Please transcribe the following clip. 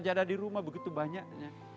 ada di rumah begitu banyak